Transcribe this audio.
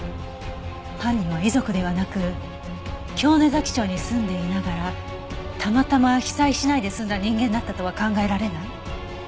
犯人は遺族ではなく京根崎町に住んでいながらたまたま被災しないで済んだ人間だったとは考えられない？